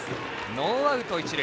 ノーアウト、一塁。